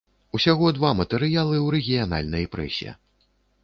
Усяго два матэрыялы ў рэгіянальнай прэсе.